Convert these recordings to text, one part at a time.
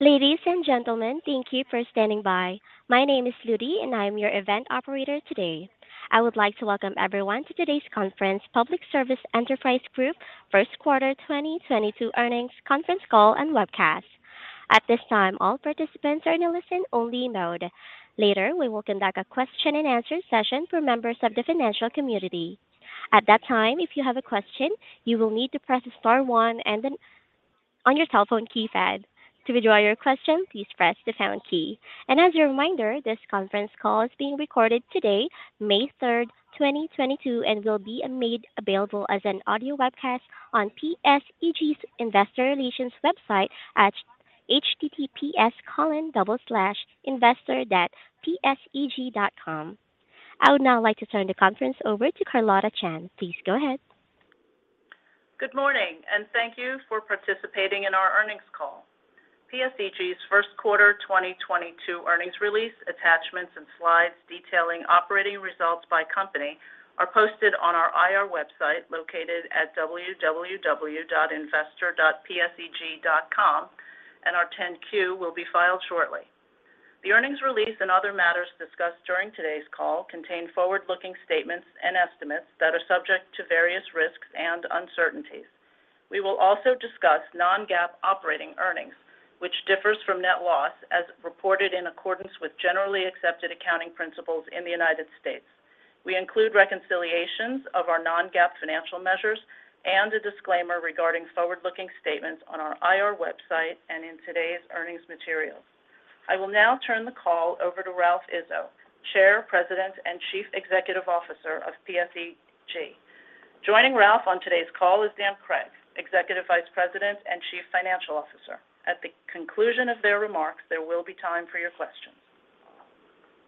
Ladies and gentlemen, thank you for standing by. My name is Ludi, and I am your event operator today. I would like to welcome everyone to today's conference, Public Service Enterprise Group First Quarter 2022 Earnings Conference Call and Webcast. At this time, all participants are in a listen-only mode. Later, we will conduct a question-and-answer session for members of the financial community. At that time, if you have a question, you will need to press star one on your telephone keypad. To withdraw your question, please press the pound key. As a reminder, this conference call is being recorded today, May 3, 2022, and will be made available as an audio webcast on PSEG's Investor Relations website at https://investor.pseg.com. I would now like to turn the conference over to Carlotta Chan. Please go ahead. Good morning, and thank you for participating in our earnings call. PSEG's first quarter 2022 earnings release attachments and slides detailing operating results by company are posted on our IR website located at www.investor.pseg.com, and our 10-Q will be filed shortly. The earnings release and other matters discussed during today's call contain forward-looking statements and estimates that are subject to various risks and uncertainties. We will also discuss non-GAAP operating earnings, which differ from net loss as reported in accordance with generally accepted accounting principles in the United States. We include reconciliations of our non-GAAP financial measures and a disclaimer regarding forward-looking statements on our IR website and in today's earnings materials. I will now turn the call over to Ralph Izzo, Chair, President, and Chief Executive Officer of PSEG. Joining Ralph on today's call is Dan Cregg, Executive Vice President and Chief Financial Officer. At the conclusion of their remarks, there will be time for your questions.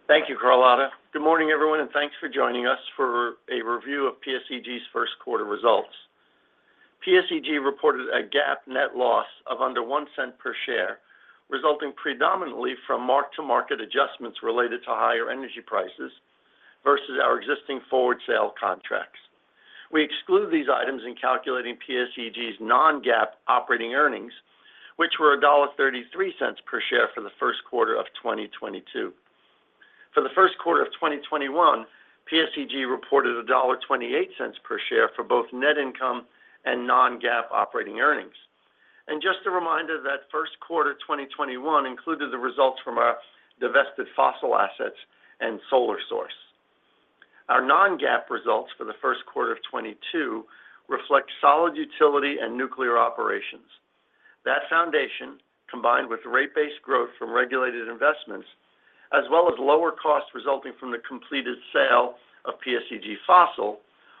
Thank you, Carlotta. Good morning, everyone, and thanks for joining us for a review of PSEG's first quarter results. PSEG reported a GAAP net loss of under $0.01 per share, resulting predominantly from mark-to-market adjustments related to higher energy prices versus our existing forward sale contracts. We exclude these items in calculating PSEG's non-GAAP operating earnings, which were $1.33 per share for the first quarter of 2022. For the first quarter of 2021, PSEG reported $1.28 per share for both net income and non-GAAP operating earnings. Just a reminder that first quarter 2021 included the results from our divested Fossil assets and Solar Source. Our non-GAAP results for the first quarter of 2022 reflect solid utility and nuclear operations. That foundation, combined with rate-based growth from regulated investments, as well as lower costs resulting from the completed sale of PSEG Fossil,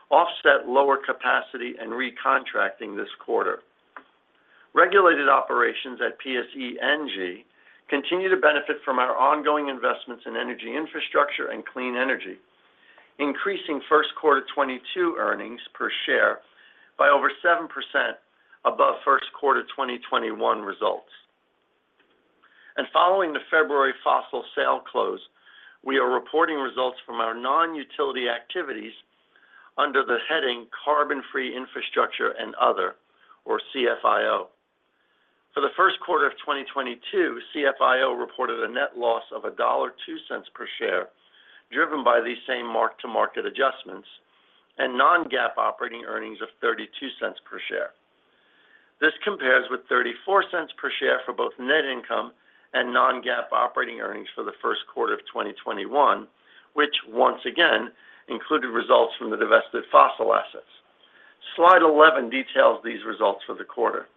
offset lower capacity and recontracting this quarter. Regulated operations at PSE&G continue to benefit from our ongoing investments in energy infrastructure and clean energy, increasing first quarter 2022 earnings per share by over 7% above first quarter 2021 results. Following the February fossil sale close, we are reporting results from our non-utility activities under the heading Carbon-Free Infrastructure and Other, or CFIO. For the first quarter of 2022, CFIO reported a net loss of $1.02 per share, driven by these same mark-to-market adjustments and non-GAAP operating earnings of $0.32 per share. This compares with $0.34 per share for both net income and non-GAAP operating earnings for the first quarter of 2021, which once again included results from the divested fossil assets. Slide 11 details these results for the quarter.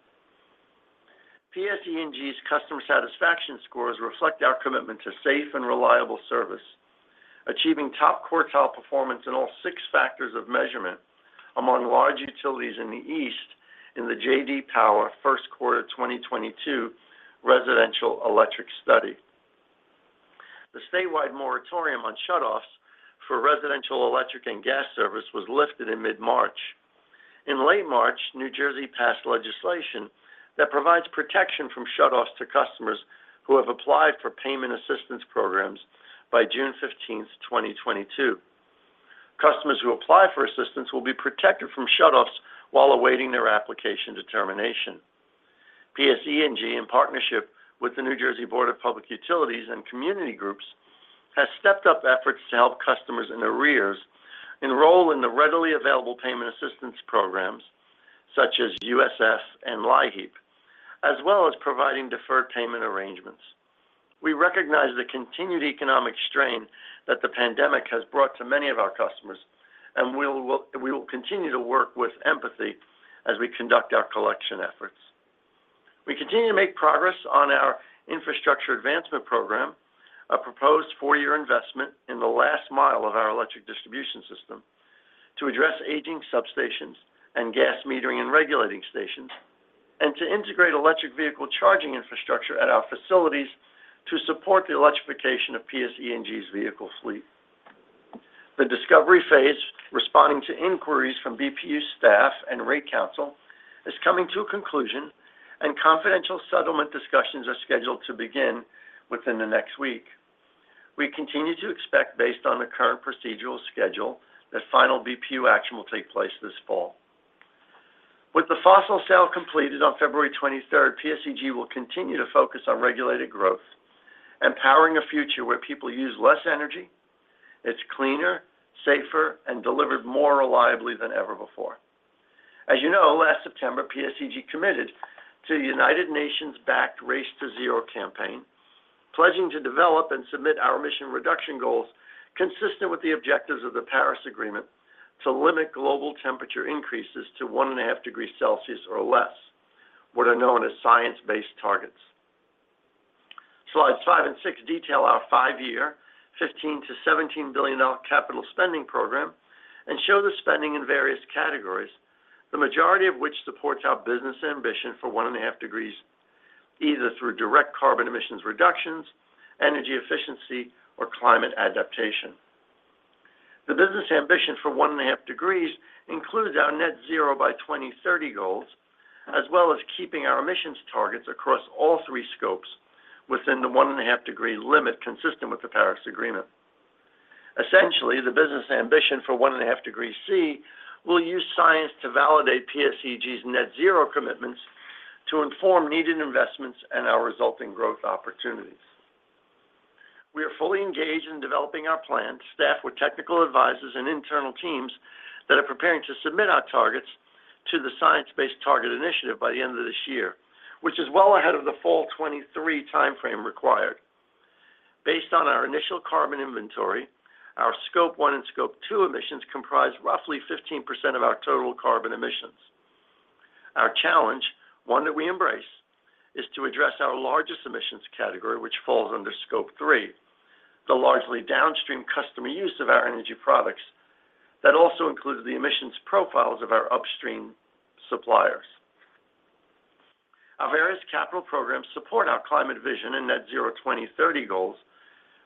PSE&G's customer satisfaction scores reflect our commitment to safe and reliable service, achieving top quartile performance in all six factors of measurement among large utilities in the East in the J.D. Power First Quarter 2022 Residential Electric study. The statewide moratorium on shutoffs for residential electric and gas service was lifted in mid-March. In late March, New Jersey passed legislation that provides protection from shutoffs to customers who have applied for payment assistance programs by June 15th, 2022. Customers who apply for assistance will be protected from shutoffs while awaiting their application determination. PSE&G, in partnership with the New Jersey Board of Public Utilities and community groups, has stepped up efforts to help customers in arrears enroll in the readily available payment assistance programs, such as USF and LIHEAP, as well as providing deferred payment arrangements. We recognize the continued economic strain that the pandemic has brought to many of our customers, and we will continue to work with empathy as we conduct our collection efforts. We continue to make progress on our Infrastructure Advancement Program, a proposed four-year investment in the last mile of our electric distribution system to address aging substations and gas metering and regulating stations and to integrate electric vehicle charging infrastructure at our facilities to support the electrification of PSE&G's vehicle fleet. The discovery phase, responding to inquiries from BPU staff and rate counsel, is coming to a conclusion, and confidential settlement discussions are scheduled to begin within the next week. We continue to expect, based on the current procedural schedule, that final BPU action will take place this fall. With the fossil sale completed on February 23, PSEG will continue to focus on regulated growth, empowering a future where people use less energy, it's cleaner, safer, and delivered more reliably than ever before. As you know, last September, PSEG committed to United Nations-backed Race to Zero campaign, pledging to develop and submit our emission reduction goals consistent with the objectives of the Paris Agreement to limit global temperature increases to 1.5 degrees Celsius or less, what are known as Science-Based Targets. Slides 5 and 6 detail our 5-year $15 billion-$17 billion capital spending program and show the spending in various categories, the majority of which supports our business ambition for one and a half degrees, either through direct carbon emissions reductions, energy efficiency, or climate adaptation. The business ambition for one and a half degrees includes our net zero by 2030 goals, as well as keeping our emissions targets across all 3 scopes within the one and a half degree limit consistent with the Paris Agreement. Essentially, the business ambition for 1.5 degrees Celsius will use science to validate PSEG's net zero commitments to inform needed investments and our resulting growth opportunities. We are fully engaged in developing our plan, staffed with technical advisors and internal teams that are preparing to submit our targets to the Science Based Targets initiative by the end of this year, which is well ahead of the fall 2023 timeframe required. Based on our initial carbon inventory, our Scope 1 and Scope 2 emissions comprise roughly 15% of our total carbon emissions. Our challenge, one that we embrace, is to address our largest emissions category, which falls under Scope 3, the largely downstream customer use of our energy products that also includes the emissions profiles of our upstream suppliers. Our various capital programs support our climate vision and net zero 2030 goals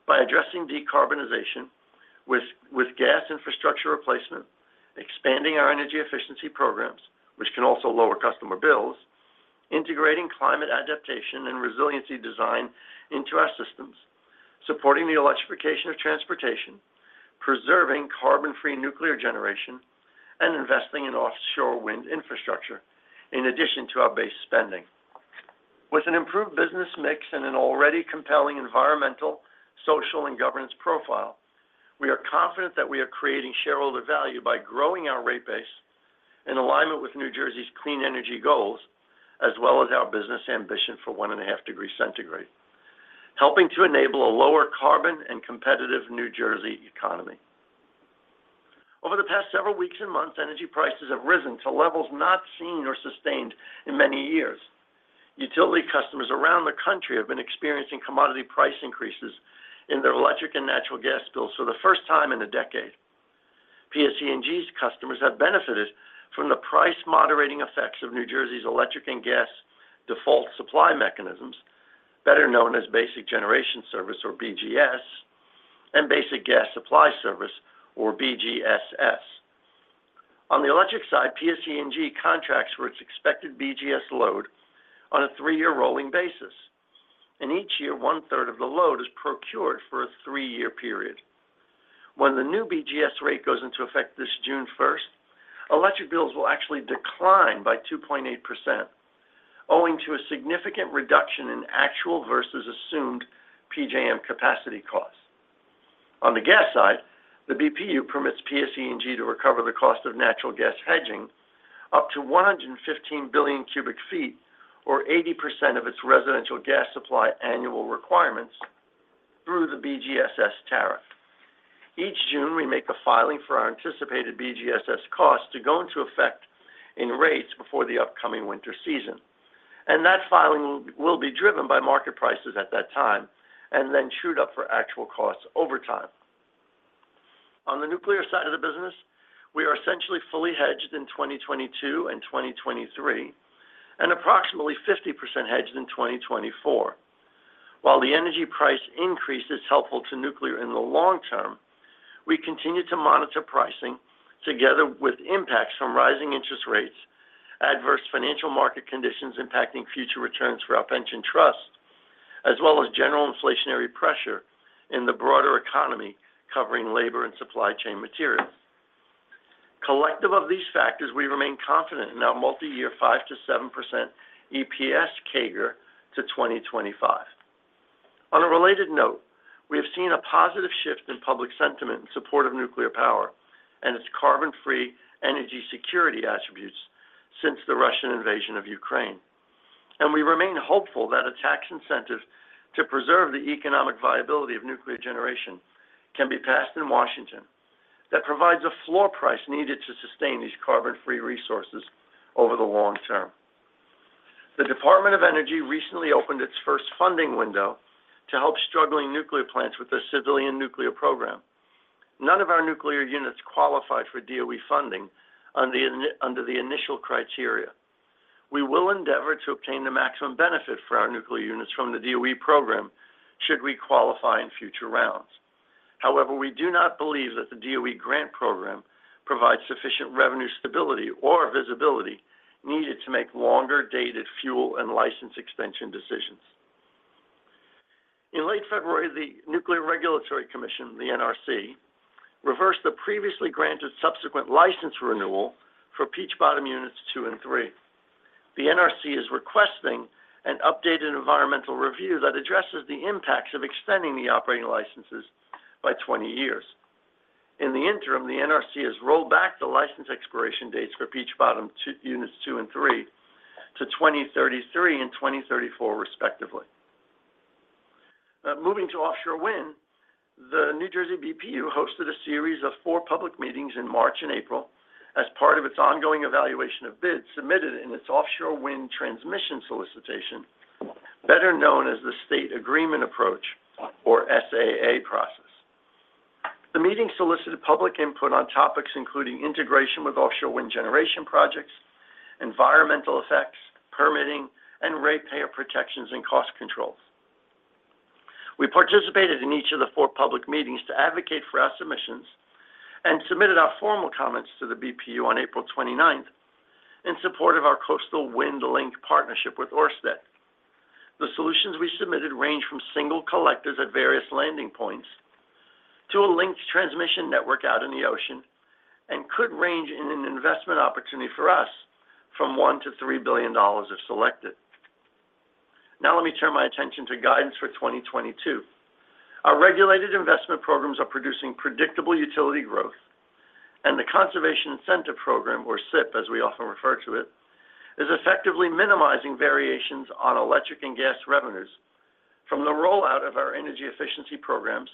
by addressing decarbonization with gas infrastructure replacement, expanding our energy efficiency programs, which can also lower customer bills, integrating climate adaptation and resiliency design into our systems, supporting the electrification of transportation, preserving carbon-free nuclear generation, and investing in offshore wind infrastructure in addition to our base spending. With an improved business mix and an already compelling environmental, social, and governance profile, we are confident that we are creating shareholder value by growing our rate base in alignment with New Jersey's clean energy goals as well as our business ambition for 1.5 degrees centigrade, helping to enable a lower carbon and competitive New Jersey economy. Over the past several weeks and months, energy prices have risen to levels not seen or sustained in many years. Utility customers around the country have been experiencing commodity price increases in their electric and natural gas bills for the first time in a decade. PSEG's customers have benefited from the price-moderating effects of New Jersey's electric and gas default supply mechanisms, better known as basic generation service or BGS and basic gas supply service or BGSS. On the electric side, PSEG contracts for its expected BGS load on a three-year rolling basis. In each year, one-third of the load is procured for a three-year period. When the new BGS rate goes into effect this June first, electric bills will actually decline by 2.8% owing to a significant reduction in actual versus assumed PJM capacity costs. On the gas side, the BPU permits PSEG to recover the cost of natural gas hedging up to 115 billion cubic feet or 80% of its residential gas supply annual requirements through the BGSS tariff. Each June, we make a filing for our anticipated BGSS cost to go into effect in rates before the upcoming winter season, and that filing will be driven by market prices at that time and then trued up for actual costs over time. On the nuclear side of the business, we are essentially fully hedged in 2022 and 2023 and approximately 50% hedged in 2024. While the energy price increase is helpful to nuclear in the long term, we continue to monitor pricing together with impacts from rising interest rates, adverse financial market conditions impacting future returns for our pension trust, as well as general inflationary pressure in the broader economy covering labor and supply chain materials. Collective of these factors, we remain confident in our multi-year 5%-7% EPS CAGR to 2025. On a related note, we have seen a positive shift in public sentiment in support of nuclear power and its carbon-free energy security attributes since the Russian invasion of Ukraine. We remain hopeful that a tax incentive to preserve the economic viability of nuclear generation can be passed in Washington that provides a floor price needed to sustain these carbon-free resources over the long term. The Department of Energy recently opened its first funding window to help struggling nuclear plants with their civilian nuclear program. None of our nuclear units qualified for DOE funding under the initial criteria. We will endeavor to obtain the maximum benefit for our nuclear units from the DOE program should we qualify in future rounds. However, we do not believe that the DOE grant program provides sufficient revenue stability or visibility needed to make longer-dated fuel and license extension decisions. In late February, the Nuclear Regulatory Commission, the NRC, reversed the previously granted subsequent license renewal for Peach Bottom Units 2 and 3. The NRC is requesting an updated environmental review that addresses the impacts of extending the operating licenses by 20 years. In the interim, the NRC has rolled back the license expiration dates for Peach Bottom units 2 and 3 to 2033 and 2034 respectively. Moving to offshore wind, the New Jersey BPU hosted a series of four public meetings in March and April as part of its ongoing evaluation of bids submitted in its offshore wind transmission solicitation, better known as the State Agreement Approach, or SAA process. The meeting solicited public input on topics including integration with offshore wind generation projects, environmental effects, permitting, and ratepayer protections and cost controls. We participated in each of the four public meetings to advocate for our submissions and submitted our formal comments to the BPU on April 29 in support of our Coastal Wind Link partnership with Ørsted. The solutions we submitted range from single collectors at various landing points to a linked transmission network out in the ocean and could range in an investment opportunity for us from $1 billion-$3 billion if selected. Now let me turn my attention to guidance for 2022. Our regulated investment programs are producing predictable utility growth, and the Conservation Incentive Program, or CIP as we often refer to it, is effectively minimizing variations in electric and gas revenues from the rollout of our energy efficiency programs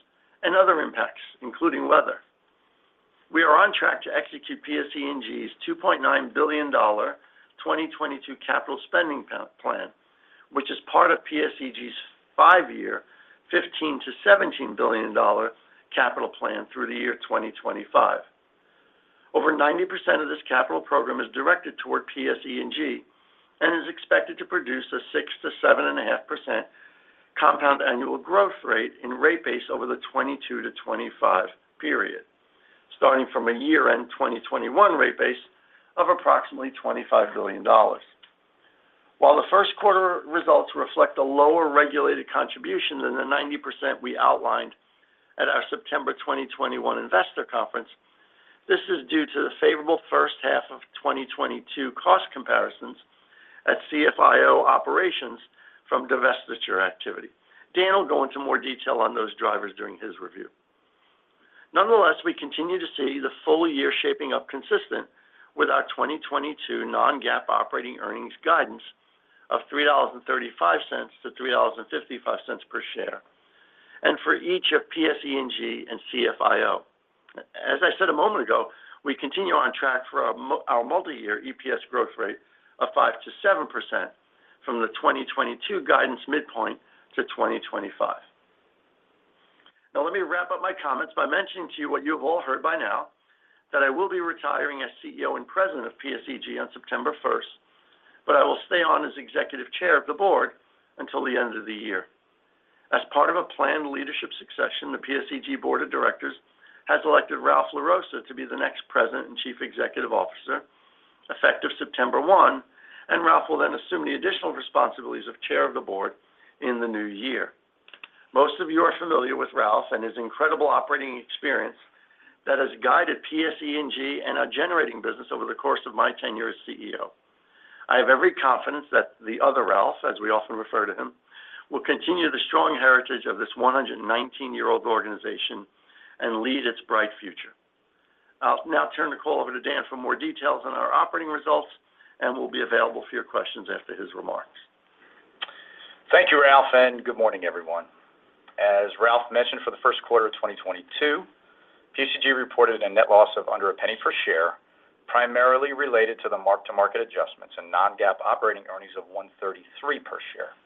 and other impacts, including weather. We are on track to execute PSEG's $2.9 billion 2022 capital spending plan, which is part of PSEG's five-year $15-$17 billion capital plan through the year 2025. Over 90% of this capital program is directed toward PSEG and is expected to produce a 6%-7.5% compound annual growth rate in rate base over the 2022-2025 period, starting from a year-end 2021 rate base of approximately $25 billion. While the first quarter results reflect a lower regulated contribution than the 90% we outlined at our September 2021 investor conference, this is due to the favorable first half of 2022 cost comparisons at CFIO operations from divestiture activity. Dan will go into more detail on those drivers during his review. Nonetheless, we continue to see the full year shaping up consistent with our 2022 non-GAAP operating earnings guidance of $3.35-$3.55 per share, and for each of PSEG and CFIO. As I said a moment ago, we continue on track for our multi-year EPS growth rate of 5%-7% from the 2022 guidance midpoint to 2025. Now let me wrap up my comments by mentioning to you what you have all heard by now, that I will be retiring as CEO and President of PSEG on September 1, but I will stay on as Executive Chair of the Board until the end of the year. As part of a planned leadership succession, the PSEG Board of Directors has elected Ralph LaRossa to be the next President and Chief Executive Officer, effective September 1, and Ralph will then assume the additional responsibilities of Chair of the Board in the new year. Most of you are familiar with Ralph and his incredible operating experience that has guided PSEG and our generating business over the course of my tenure as CEO. I have every confidence that the other Ralph, as we often refer to him, will continue the strong heritage of this 119-year-old organization and lead its bright future. I'll now turn the call over to Dan for more details on our operating results and will be available for your questions after his remarks. Thank you, Ralph, and good morning, everyone. As Ralph mentioned, for the first quarter of 2022, PSEG reported a net loss of under $0.01 per share, primarily related to the mark-to-market adjustments and non-GAAP operating earnings of $1.33 per share.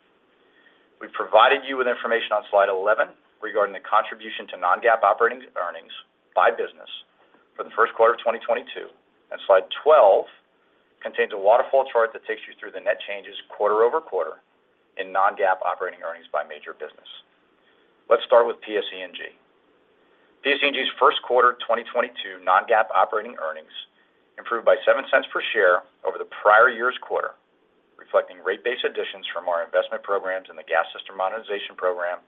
We've provided you with information on slide 11 regarding the contribution to non-GAAP operating earnings by business for the first quarter of 2022, and slide 12 contains a waterfall chart that takes you through the net changes quarter-over-quarter in non-GAAP operating earnings by major business. Let's start with PSEG. PSEG's first quarter 2022 non-GAAP operating earnings improved by $0.07 per share over the prior year's quarter, reflecting rate base additions from our investment programs in the Gas System Modernization Program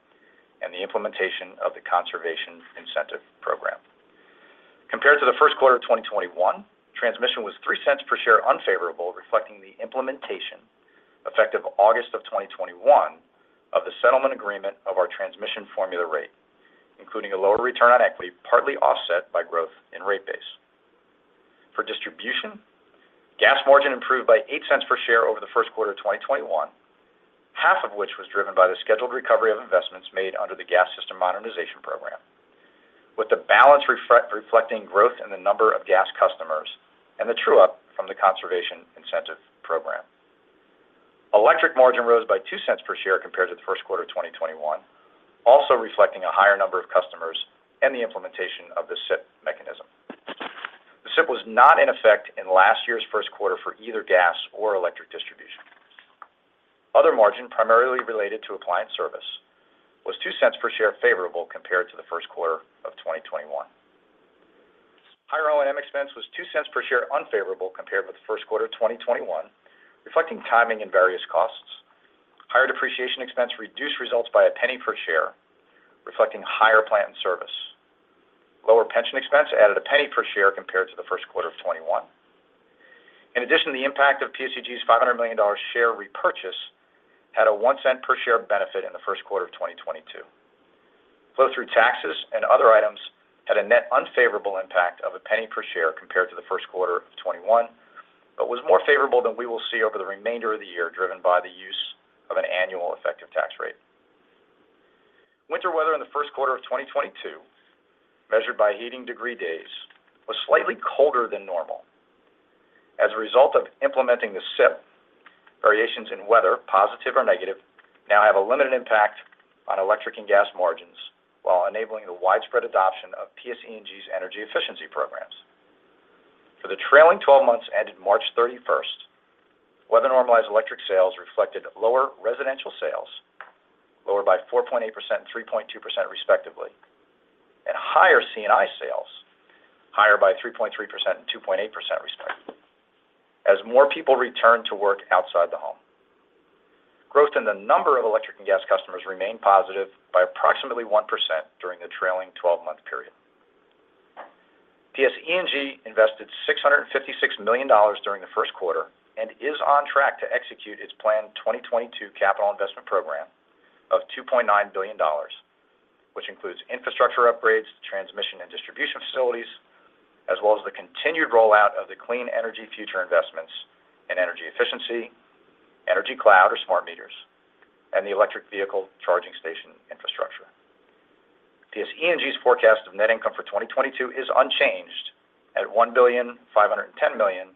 and the implementation of the Conservation Incentive Program. Compared to the first quarter of 2021, transmission was $0.03 per share unfavorable, reflecting the implementation, effective August of 2021, of the settlement agreement of our transmission formula rate, including a lower return on equity, partly offset by growth in rate base. For distribution, gas margin improved by $0.08 per share over the first quarter of 2021, half of which was driven by the scheduled recovery of investments made under the Gas System Modernization Program, with the balance reflecting growth in the number of gas customers and the true-up from the Conservation Incentive Program. Electric margin rose by $0.02 per share compared to the first quarter of 2021, also reflecting a higher number of customers and the implementation of the CIP mechanism. The CIP was not in effect in last year's first quarter for either gas or electric distribution. Other margin, primarily related to appliance service, was 2 cents per share favorable compared to the first quarter of 2021. Expense was 2 cents per share unfavorable compared with the first quarter of 2021, reflecting timing and various costs. Higher depreciation expense reduced results by 1 cent per share, reflecting higher plant and service assets. Lower pension expense added 1 cent per share compared to the first quarter of 2021. In addition to the impact of PSEG's $500 million share repurchase had 1 cent per share benefit in the first quarter of 2022. Flow-through taxes and other items had a net unfavorable impact of 1 cent per share compared to the first quarter of 2021, but was more favorable than we will see over the remainder of the year, driven by the use of an annual effective tax rate. Winter weather in the first quarter of 2022, measured by heating degree days, was slightly colder than normal. As a result of implementing the CIP, variations in weather, positive or negative, now have a limited impact on electric and gas margins while enabling the widespread adoption of PSEG's energy efficiency programs. For the trailing twelve months ended March 31, weather normalized electric sales reflected lower residential sales, lower by 4.8% and 3.2% respectively, and higher C&I sales, higher by 3.3% and 2.8% respectively, as more people return to work outside the home. Growth in the number of electric and gas customers remained positive by approximately 1% during the trailing twelve-month period. PSEG invested $656 million during the first quarter and is on track to execute its planned 2022 capital investment program of $2.9 billion, which includes infrastructure upgrades to transmission and distribution facilities, as well as the continued rollout of the Clean Energy Future investments in energy efficiency, Energy Cloud or smart meters, and the electric vehicle charging station infrastructure. PSEG's forecast of net income for 2022 is unchanged at $1.51 billion-$1.56 billion.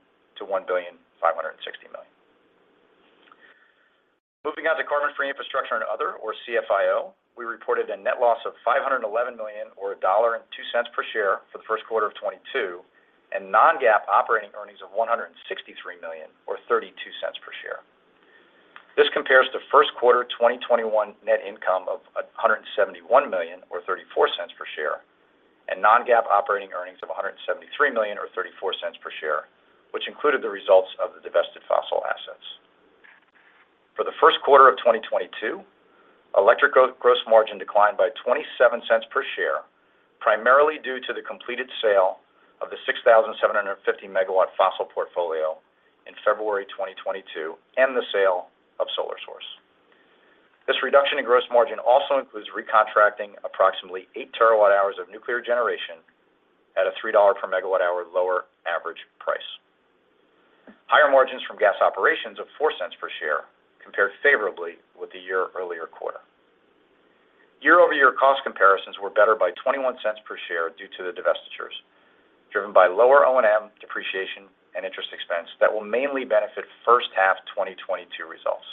Moving on to carbon-free infrastructure and other, or CFIO, we reported a net loss of $511 million or $1.02 per share for the first quarter of 2022 and non-GAAP operating earnings of $163 million or $0.32 per share. This compares to first quarter 2021 net income of $171 million or 34 cents per share and non-GAAP operating earnings of $173 million or 34 cents per share, which included the results of the divested fossil assets. For the first quarter of 2022, electric gross margin declined by 27 cents per share, primarily due to the completed sale of the 6,750-megawatt fossil portfolio in February 2022 and the sale of Solar Source. This reduction in gross margin also includes recontracting approximately 8 terawatt hours of nuclear generation at a $3 per megawatt hour lower average price. Higher margins from gas operations of 4 cents per share compared favorably with the prior-year quarter. Year-over-year cost comparisons were better by $0.21 per share due to the divestitures, driven by lower O&M depreciation and interest expense that will mainly benefit first half 2022 results.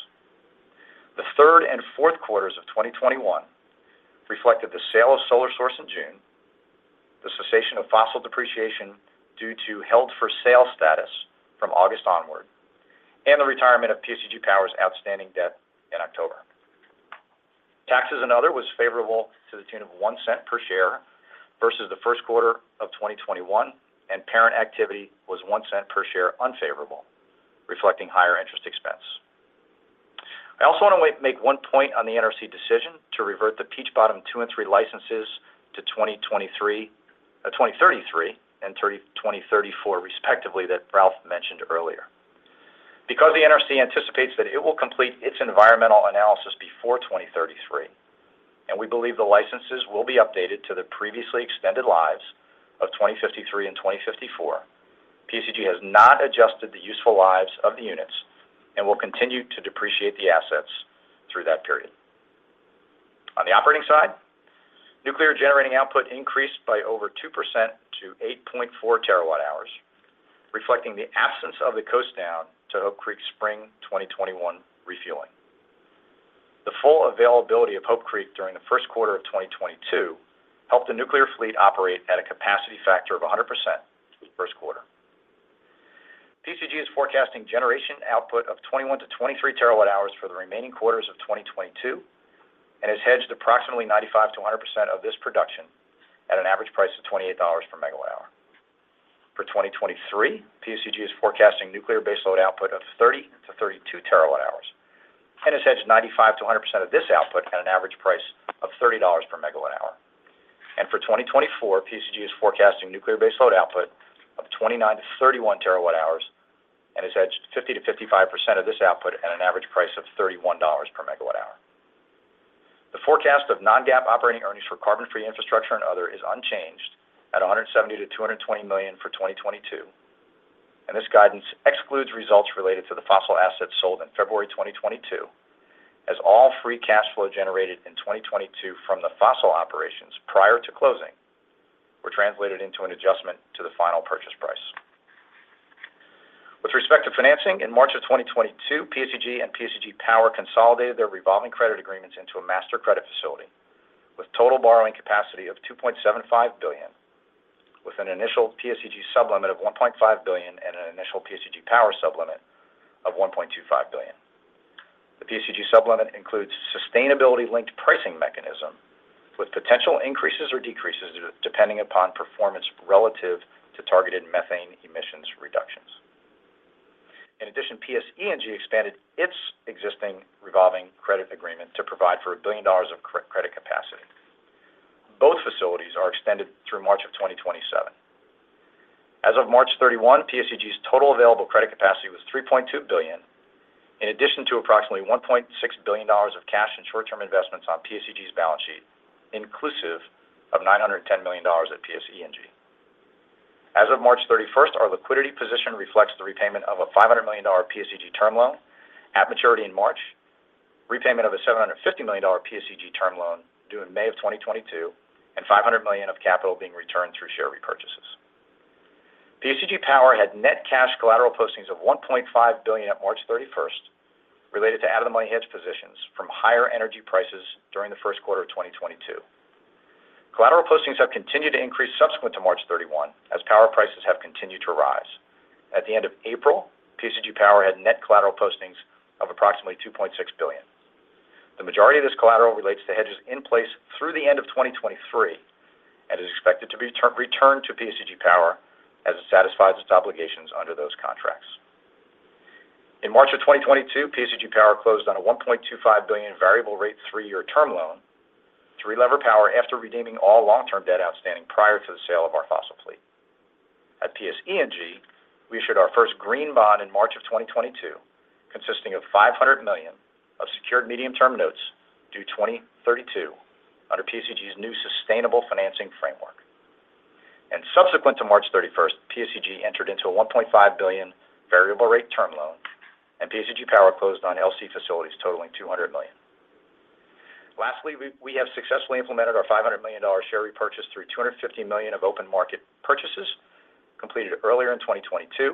The third and fourth quarters of 2021 reflected the sale of PSEG Solar Source in June, the cessation of PSEG Fossil depreciation due to held-for-sale status from August onward, and the retirement of PSEG Power's outstanding debt in October. Taxes and other was favorable to the tune of $0.01 per share versus the first quarter of 2021, and parent activity was $0.01 per share unfavorable, reflecting higher interest expense. I also want to make one point on the NRC decision to revert the Peach Bottom 2 and 3 licenses to 2023, 2033 and 2034 respectively that Ralph mentioned earlier. Because the NRC anticipates that it will complete its environmental analysis before 2033, and we believe the licenses will be updated to the previously extended lives of 2053 and 2054, PSEG has not adjusted the useful lives of the units and will continue to depreciate the assets through that period. On the operating side, nuclear generating output increased by over 2% to 8.4 TWh, reflecting the absence of the coast down to Hope Creek Spring 2021 refueling. The full availability of Hope Creek during the first quarter of 2022 helped the nuclear fleet operate at a capacity factor of 100% through the first quarter. PSEG is forecasting generation output of 21-23 TWh for the remaining quarters of 2022 and has hedged approximately 95%-100% of this production at an average price of $28/MWh. For 2023, PSEG is forecasting nuclear base load output of 30-32 TWh, and has hedged 95%-100% of this output at an average price of $30/MWh. For 2024, PSEG is forecasting nuclear base load output of 29-31 TWh and has hedged 50%-55% of this output at an average price of $31/MWh. The forecast of non-GAAP operating earnings for carbon-free infrastructure and other is unchanged at $170-$220 million for 2022, and this guidance excludes results related to the fossil assets sold in February 2022, as all free cash flow generated in 2022 from the fossil operations prior to closing were translated into an adjustment to the final purchase price. With respect to financing, in March 2022, PSEG and PSEG Power consolidated their revolving credit agreements into a master credit facility with total borrowing capacity of $2.75 billion with an initial PSEG sublimit of $1.5 billion and an initial PSEG Power sublimit of $1.25 billion. The PSEG sublimit includes sustainability-linked pricing mechanism with potential increases or decreases depending upon performance relative to targeted methane emissions reductions. In addition, PSE&G expanded its existing revolving credit agreement to provide for $1 billion of credit capacity. Both facilities are extended through March 2027. As of March 31, PSEG's total available credit capacity was $3.2 billion, in addition to approximately $1.6 billion of cash and short-term investments on PSEG's balance sheet, inclusive of $910 million at PSE&G. As of March 31, our liquidity position reflects the repayment of a $500 million PSEG term loan at maturity in March, repayment of a $750 million PSEG term loan due in May 2022, and $500 million of capital being returned through share repurchases. PSEG Power had net cash collateral postings of $1.5 billion at March 31 related to out-of-the-money hedge positions from higher energy prices during the first quarter of 2022. Collateral postings have continued to increase subsequent to March 31 as power prices have continued to rise. At the end of April, PSEG Power had net collateral postings of approximately $2.6 billion. The majority of this collateral relates to hedges in place through the end of 2023 and is expected to be returned to PSEG Power as it satisfies its obligations under those contracts. In March of 2022, PSEG Power closed on a $1.25 billion variable rate 3-year term loan to re-lever Power after redeeming all long-term debt outstanding prior to the sale of our fossil fleet. At PSE&G, we issued our first green bond in March 2022, consisting of $500 million of secured medium-term notes due 2032 under PSEG's new Sustainable Financing Framework. Subsequent to March 31, PSEG entered into a $1.5 billion variable rate term loan, and PSEG Power closed on LC facilities totaling $200 million. Lastly, we have successfully implemented our $500 million share repurchase through $250 million of open market purchases completed earlier in 2022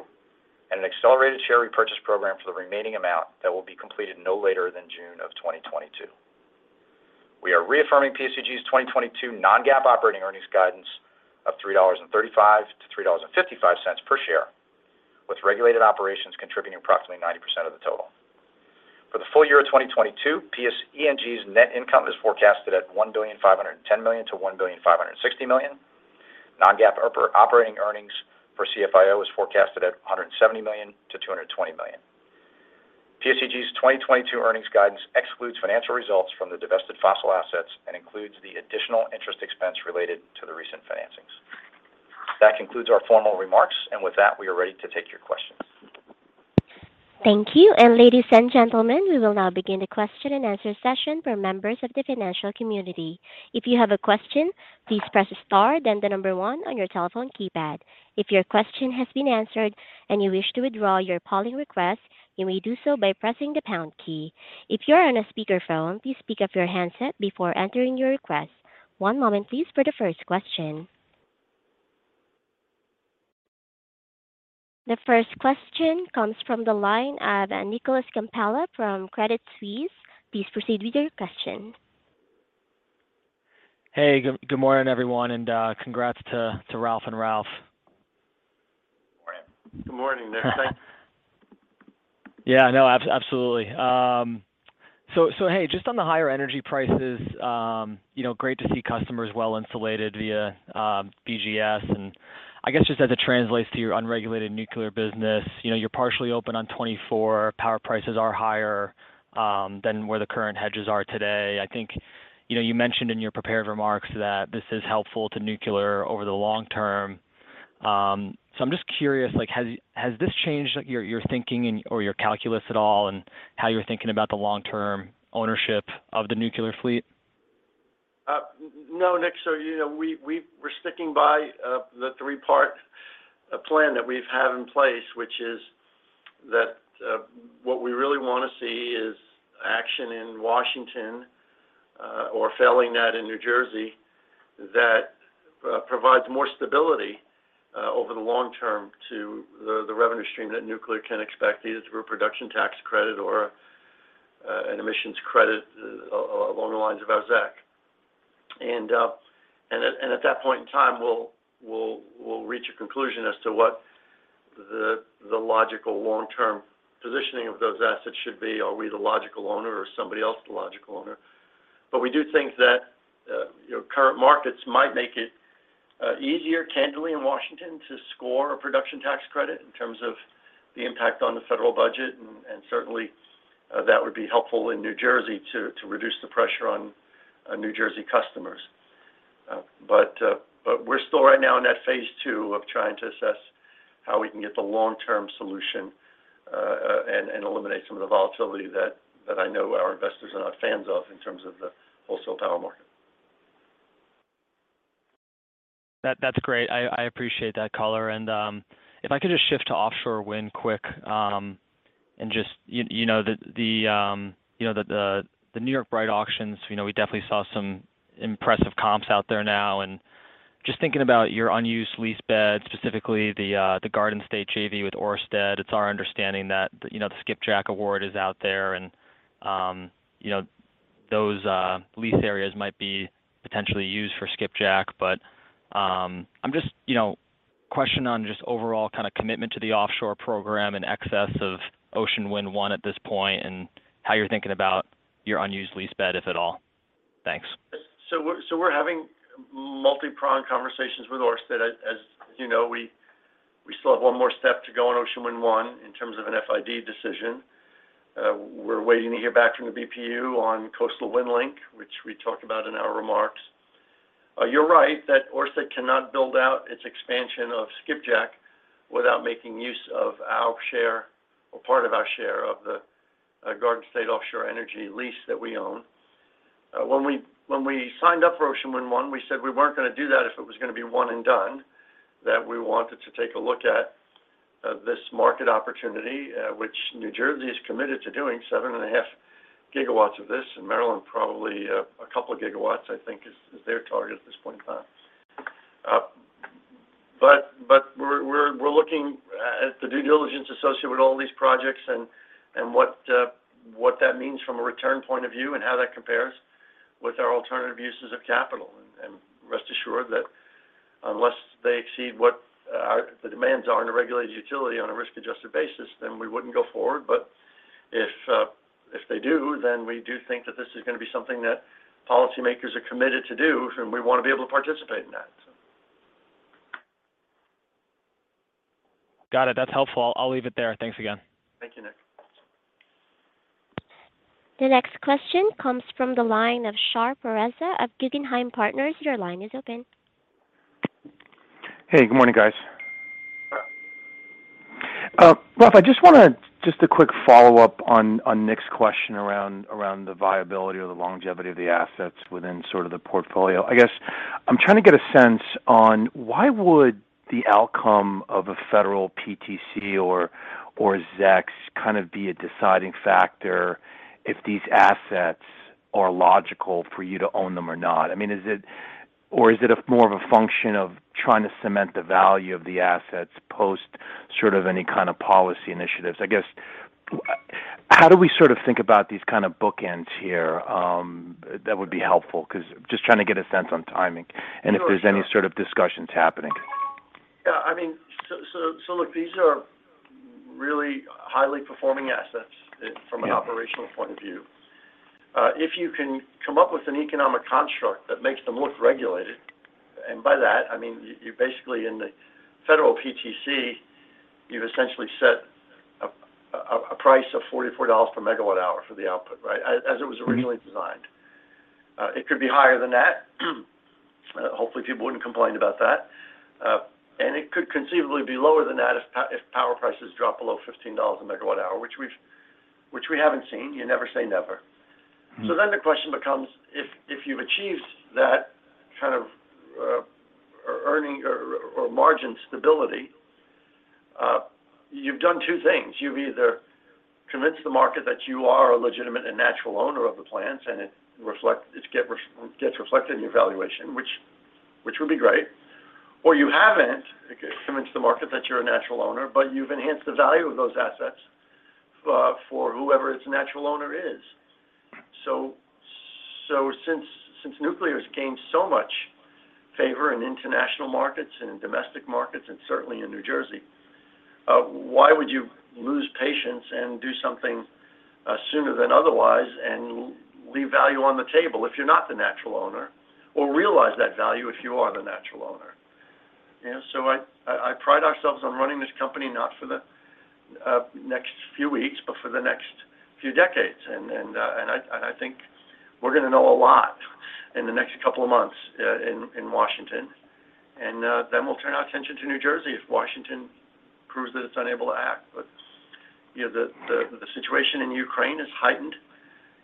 and an accelerated share repurchase program for the remaining amount that will be completed no later than June 2022. We are reaffirming PSEG's 2022 non-GAAP operating earnings guidance of $3.35-$3.55 per share, with regulated operations contributing approximately 90% of the total. For the full year of 2022, PSE&G's net income is forecasted at $1.51 billion-$1.56 billion. Non-GAAP operating earnings for CFIO is forecasted at $170 million-$220 million. PSEG's 2022 earnings guidance excludes financial results from the divested fossil assets and includes the additional interest expense related to the recent financings. That concludes our formal remarks, and with that, we are ready to take your questions. Thank you. Ladies and gentlemen, we will now begin the question-and-answer session for members of the financial community. If you have a question, please press star then 1 on your telephone keypad. If your question has been answered and you wish to withdraw your polling request, you may do so by pressing the pound key. If you're on a speakerphone, please pick up your handset before entering your request. One moment please for the first question. The first question comes from the line of Nicholas Campanella from Credit Suisse. Please proceed with your question. Hey, good morning, everyone, and congrats to Ralph and Ralph. Good morning, Nick. Thanks. Yeah. No, absolutely. So hey, just on the higher energy prices, you know, great to see customers well insulated via BGS. I guess just as it translates to your unregulated nuclear business, you know, you're partially open on 2024. Power prices are higher than where the current hedges are today. I think, you know, you mentioned in your prepared remarks that this is helpful to nuclear over the long term. I'm just curious, like, has this changed, like, your thinking and/or your calculus at all in how you're thinking about the long-term ownership of the nuclear fleet? No, Nick. You know, we're sticking by the three-part plan that we've had in place, which is that what we really wanna see is action in Washington, or failing that in New Jersey, that provides more stability over the long term to the revenue stream that nuclear can expect, either through a production tax credit or an emissions credit along the lines of ZEC. At that point in time, we'll reach a conclusion as to what the logical long-term positioning of those assets should be. Are we the logical owner or is somebody else the logical owner? We do think that, you know, current markets might make it easier candidly in Washington to score a Production Tax Credit in terms of the impact on the federal budget, and certainly that would be helpful in New Jersey to reduce the pressure on New Jersey customers. We're still right now in that phase two of trying to assess how we can get the long-term solution, and eliminate some of the volatility that I know our investors are not fans of in terms of the wholesale power market. That's great. I appreciate that color. If I could just shift to offshore wind quick, and just you know the New York Bight auctions, you know, we definitely saw some impressive comps out there now. Just thinking about your unused lease beds, specifically the Garden State JV with Ørsted. It's our understanding that you know the Skipjack award is out there and you know those lease areas might be potentially used for Skipjack. I'm just you know question on just overall kind of commitment to the offshore program in excess of Ocean Wind 1 at this point, and how you're thinking about your unused lease bed, if at all. Thanks. We're having multi-pronged conversations with Ørsted. As you know, we still have one more step to go on Ocean Wind 1 in terms of an FID decision. We're waiting to hear back from the BPU on Coastal Wind Link, which we talked about in our remarks. You're right that Ørsted cannot build out its expansion of Skipjack without making use of our share or part of our share of the Garden State Offshore Energy Lease that we own. When we signed up for Ocean Wind 1, we said we weren't gonna do that if it was gonna be one and done, that we wanted to take a look at this market opportunity, which New Jersey is committed to doing 7.5 gigawatts of this, and Maryland, probably, a couple of gigawatts, I think is their target at this point in time. But we're looking at the due diligence associated with all these projects and what that means from a return point of view and how that compares with our alternative uses of capital. Rest assured that unless they exceed what the demands are in a regulated utility on a risk-adjusted basis, then we wouldn't go forward. If they do, then we do think that this is gonna be something that policymakers are committed to do, and we wanna be able to participate in that. Got it. That's helpful. I'll leave it there. Thanks again. Thank you, Nick. The next question comes from the line of Shar Pourreza of Guggenheim Partners. Your line is open. Hey, good morning, guys. Yeah. Ralph, just a quick follow-up on Nick's question around the viability or the longevity of the assets within sort of the portfolio. I guess I'm trying to get a sense on why would the outcome of a federal PTC or ZECs kind of be a deciding factor if these assets are logical for you to own them or not? I mean, is it more of a function of trying to cement the value of the assets post sort of any kind of policy initiatives? I guess, how do we sort of think about these kind of bookends here, that would be helpful? 'Cause just trying to get a sense on timing. Sure, sure. If there's any sort of discussions happening. Yeah, I mean, so look, these are really highly performing assets. Yeah. From an operational point of view. If you can come up with an economic construct that makes them look regulated, and by that, I mean, you're basically in the federal PTC, you've essentially set a price of $44 per megawatt hour for the output, right? As it was originally designed. It could be higher than that. Hopefully, people wouldn't complain about that. And it could conceivably be lower than that if power prices drop below $15 per megawatt hour, which we haven't seen. You never say never. Mm-hmm. The question becomes, if you've achieved that kind of earning or margin stability, you've done two things. You've either convinced the market that you are a legitimate and natural owner of the plants, and it gets reflected in your valuation, which would be great. Or you haven't convinced the market that you're a natural owner, but you've enhanced the value of those assets for whoever its natural owner is. Since nuclear has gained so much favor in international markets and in domestic markets, and certainly in New Jersey, why would you lose patience and do something sooner than otherwise and leave value on the table if you're not the natural owner or realize that value if you are the natural owner? You know, I pride ourselves on running this company not for the next few weeks, but for the next few decades. I think we're gonna know a lot in the next couple of months in Washington. Then we'll turn our attention to New Jersey if Washington proves that it's unable to act. You know, the situation in Ukraine has heightened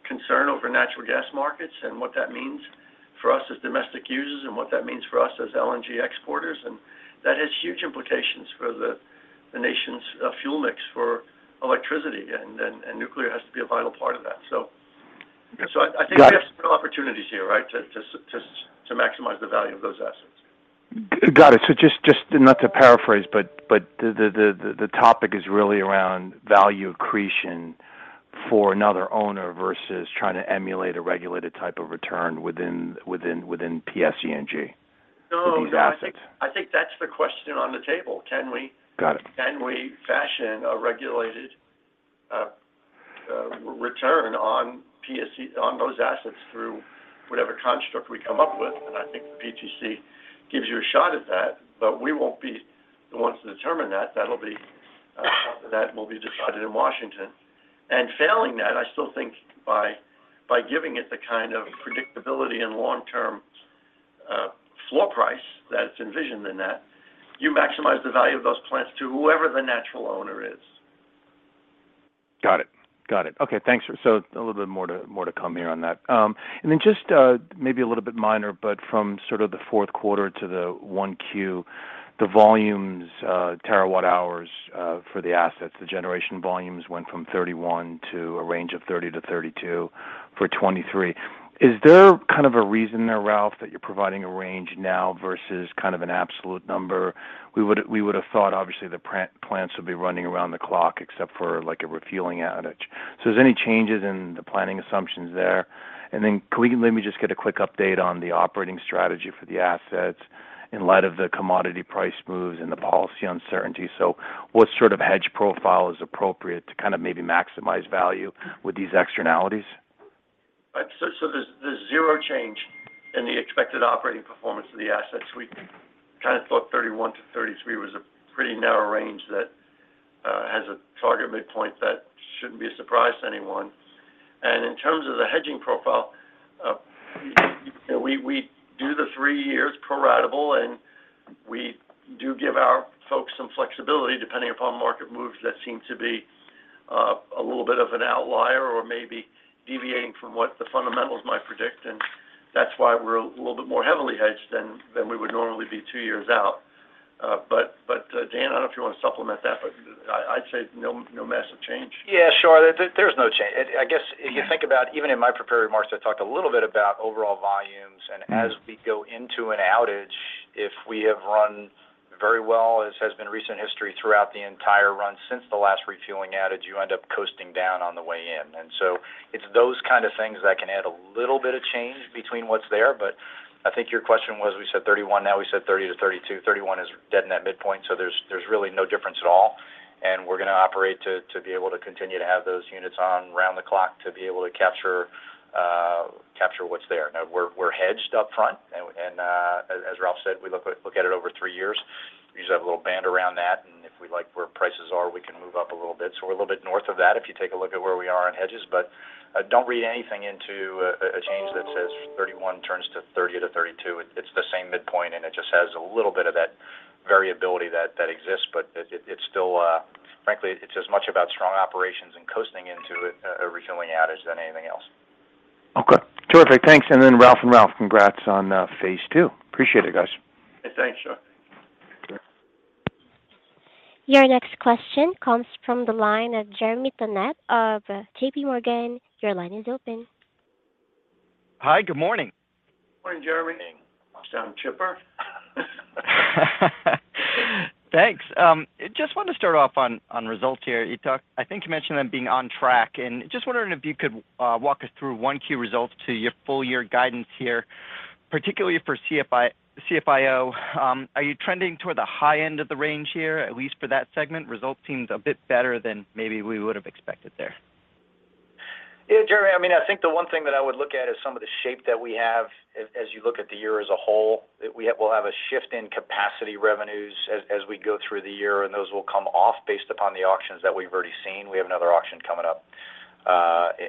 concern over natural gas markets and what that means for us as domestic users and what that means for us as LNG exporters. That has huge implications for the nation's fuel mix for electricity, and nuclear has to be a vital part of that. Got it. I think we have some opportunities here, right? To maximize the value of those assets. Got it. Just and not to paraphrase, but the topic is really around value accretion for another owner versus trying to emulate a regulated type of return within PSE&G. No, no. for these assets. I think that's the question on the table. Got it. Can we fashion a regulated return on those assets through whatever construct we come up with? I think the PTC gives you a shot at that, but we won't be the ones to determine that. That'll be decided in Washington. Failing that, I still think by giving it the kind of predictability and long-term floor price that's envisioned in that, you maximize the value of those plants to whoever the natural owner is. Got it. Okay, thanks. A little bit more to come here on that. And then just maybe a little bit minor, but from sort of the fourth quarter to the 1Q, the volumes terawatt-hours for the assets, the generation volumes went from 31 to a range of 30-32 for 2023. Is there kind of a reason there, Ralph, that you're providing a range now versus kind of an absolute number? We would've thought obviously the plants would be running around the clock except for, like, a refueling outage. Is there any changes in the planning assumptions there? Let me just get a quick update on the operating strategy for the assets in light of the commodity price moves and the policy uncertainty. What sort of hedge profile is appropriate to kind of maybe maximize value with these externalities? There's zero change in the expected operating performance of the assets. We kind of thought 31-33 was a pretty narrow range that has a target midpoint that shouldn't be a surprise to anyone. In terms of the hedging profile, we do the 3 years pro rata, and we do give our folks some flexibility depending upon market moves that seem to be a little bit of an outlier or maybe deviating from what the fundamentals might predict. That's why we're a little bit more heavily hedged than we would normally be 2 years out. Dan, I don't know if you want to supplement that, but I'd say no massive change. Yeah, sure. There's no change. I guess, if you think about even in my prepared remarks, I talked a little bit about overall volumes. Mm-hmm. As we go into an outage, if we have run very well, as has been recent history throughout the entire run since the last refueling outage, you end up coasting down on the way in. It's those kind of things that can add a little bit of change between what's there. But I think your question was, we said 31. Now we said 30 to 32. 31 is dead net midpoint, so there's really no difference at all. We're going to operate to be able to continue to have those units on around the clock to be able to capture what's there. Now we're hedged up front. And as Ralph said, we look at it over 3 years. We just have a little band around that. If we like where prices are, we can move up a little bit. We're a little bit north of that if you take a look at where we are in hedges. Don't read anything into a change that says 31 turns to 30-32. It's the same midpoint, and it just has a little bit of that variability that exists. It's still, frankly, as much about strong operations and coasting into a refueling outage than anything else. Okay. Terrific. Thanks. Ralph and Ralph, congrats on phase two. Appreciate it, guys. Thanks, Shahriar Pourreza. Your next question comes from the line of Jeremy Tonet of JPMorgan. Your line is open. Hi. Good morning. Morning, Jeremy. Sounds chipper. Thanks. Just wanted to start off on results here. You talked, I think you mentioned them being on track, and just wondering if you could walk us through one key result to your full year guidance here, particularly for CFIO. Are you trending toward the high end of the range here, at least for that segment? Result seems a bit better than maybe we would have expected there. Yeah, Jeremy, I mean, I think the one thing that I would look at is some of the shape that we have as you look at the year as a whole. We'll have a shift in capacity revenues as we go through the year, and those will come off based upon the auctions that we've already seen. We have another auction coming up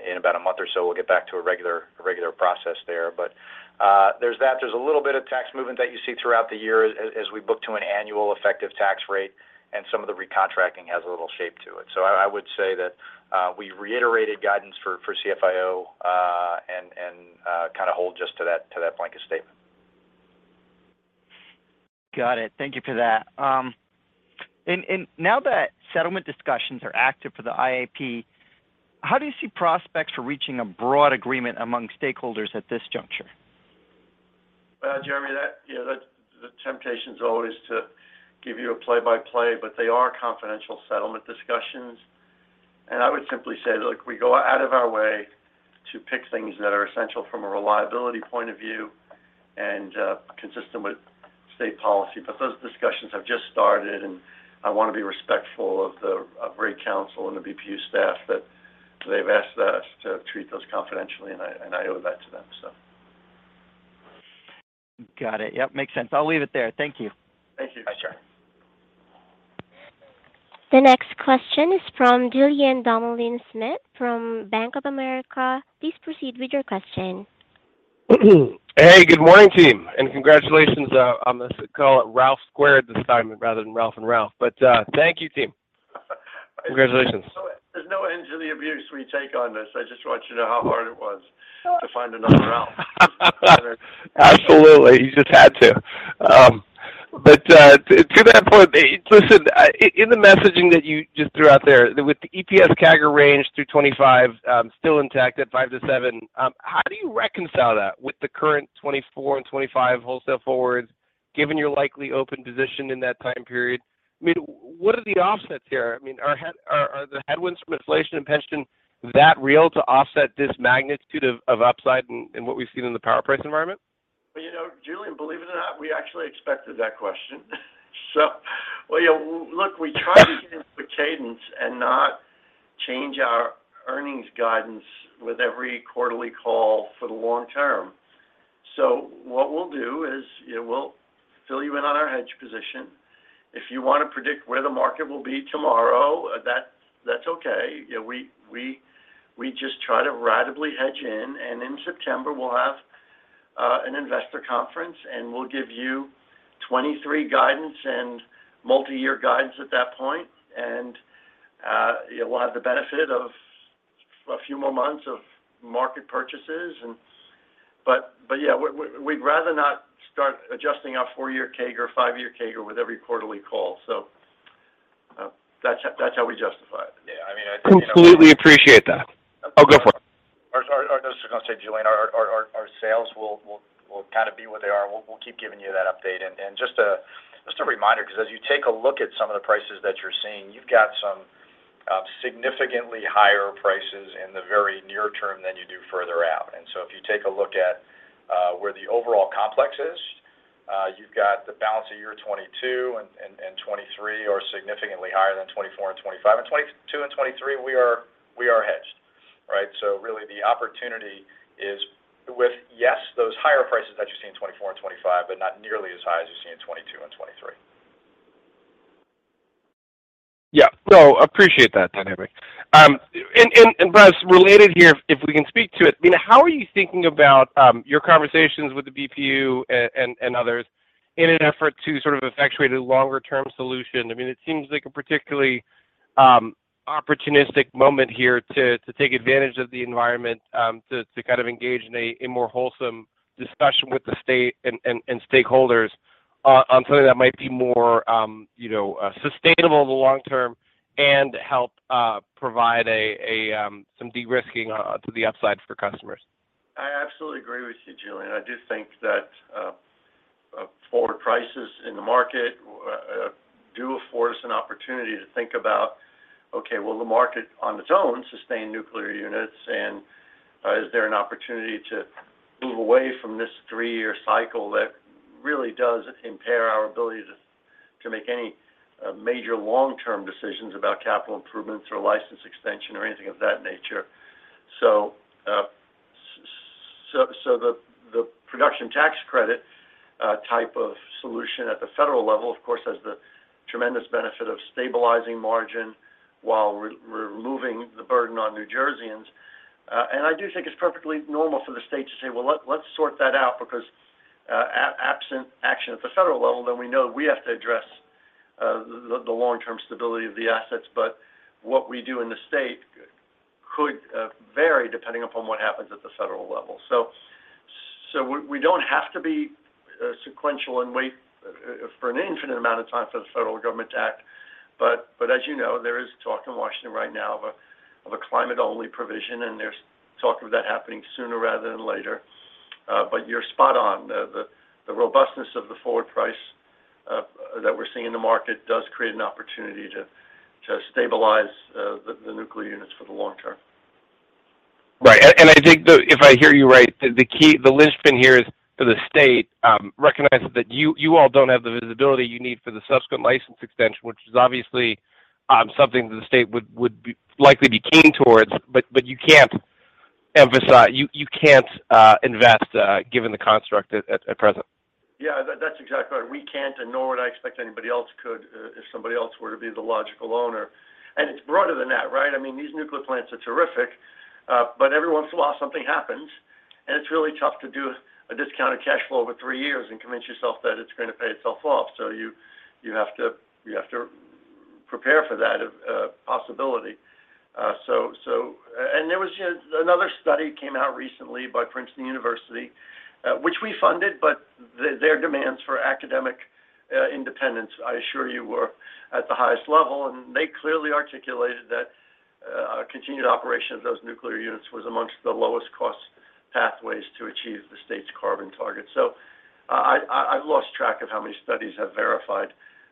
in about a month or so. We'll get back to a regular process there. There's that. There's a little bit of tax movement that you see throughout the year as we book to an annual effective tax rate, and some of the recontracting has a little shape to it. I would say that we reiterated guidance for CFIO and kind of hold just to that blanket statement. Got it. Thank you for that. Now that settlement discussions are active for the IAP, how do you see prospects for reaching a broad agreement among stakeholders at this juncture? Well, Jeremy, yeah, the temptation is always to give you a play-by-play, but they are confidential settlement discussions. I would simply say, look, we go out of our way to pick things that are essential from a reliability point of view and consistent with state policy. Those discussions have just started, and I want to be respectful of the Rate Counsel and the BPU staff that they've asked us to treat those confidentially, and I owe that to them, so. Got it. Yep, makes sense. I'll leave it there. Thank you. Thank you. Bye, Jeremy. The next question is from Julien Dumoulin-Smith from Bank of America. Please proceed with your question. Hey, good morning, team, and congratulations on this call. Ralph squared this time rather than Ralph and Ralph. Thank you, team. Congratulations. There's no end to the abuse we take on this. I just want you to know how hard it was to find another Ralph. Absolutely. You just had to. To that point, listen, in the messaging that you just threw out there with the EPS CAGR range through 2025, still intact at 5%-7%, how do you reconcile that with the current 2024 and 2025 wholesale forwards, given your likely open position in that time period? I mean, what are the offsets here? I mean, are the headwinds from inflation and pension that real to offset this magnitude of upside in what we've seen in the power price environment? Well, you know, Julian, believe it or not, we actually expected that question. Well, you know, look, we try to get into a cadence and not change our earnings guidance with every quarterly call for the long term. What we'll do is, you know, we'll fill you in on our hedge position. If you want to predict where the market will be tomorrow, that's okay. You know, we just try to ratably hedge in. In September, we'll have an investor conference, and we'll give you 2023 guidance and multi-year guidance at that point. We'll have the benefit of a few more months of market purchases. But yeah, we we'd rather not start adjusting our four-year CAGR, five-year CAGR with every quarterly call. That's how we justify it. Yeah, I mean, I think. Completely appreciate that. Oh, go for it. I was just going to say, Julien, our sales will kind of be what they are. We'll keep giving you that update. Just a reminder because as you take a look at some of the prices that you're seeing, you've got some significantly higher prices in the very near term than you do further out. If you take a look at where the overall complex is, you've got the balance of year 2022 and 2023 are significantly higher than 2024 and 2025. 2022 and 2023, we are hedged, right? Really the opportunity is with, yes, those higher prices that you see in 2024 and 2025, but not nearly as high as you see in 2022 and 2023. Yeah. No, appreciate that dynamic. And plus related here, if we can speak to it, I mean, how are you thinking about your conversations with the BPU and others in an effort to sort of effectuate a longer term solution? I mean, it seems like a particularly opportunistic moment here to take advantage of the environment to kind of engage in a more wholesome discussion with the state and stakeholders on something that might be more, you know, sustainable in the long term and help provide some de-risking to the upside for customers. I absolutely agree with you, Julien. I do think that forward prices in the market do afford us an opportunity to think about, okay, will the market on its own sustain nuclear units? Is there an opportunity to move away from this three-year cycle that really does impair our ability to make any major long-term decisions about capital improvements or license extension or anything of that nature. The Production Tax Credit type of solution at the federal level, of course, has the tremendous benefit of stabilizing margin while removing the burden on New Jerseyans. I do think it's perfectly normal for the state to say, "Well, let's sort that out," because, absent action at the federal level, then we know we have to address the long-term stability of the assets. What we do in the state could vary depending upon what happens at the federal level. We don't have to be sequential and wait for an infinite amount of time for the federal government to act. As you know, there is talk in Washington right now of a climate-only provision, and there's talk of that happening sooner rather than later. You're spot on. The robustness of the forward price that we're seeing in the market does create an opportunity to stabilize the nuclear units for the long term. Right. I think if I hear you right, the key, the linchpin here is for the state recognizes that you all don't have the visibility you need for the subsequent license extension, which is obviously something that the state would be likely be keen towards. But you can't invest given the construct at present. Yeah. That's exactly right. We can't, and nor would I expect anybody else could, if somebody else were to be the logical owner. It's broader than that, right? I mean, these nuclear plants are terrific, but every once in a while something happens, and it's really tough to do a discounted cash flow over three years and convince yourself that it's going to pay itself off. You have to prepare for that possibility. There was another study came out recently by Princeton University, which we funded, but their demands for academic independence, I assure you, were at the highest level. They clearly articulated that a continued operation of those nuclear units was amongst the lowest cost pathways to achieve the state's carbon target. I've lost track of how many studies have verified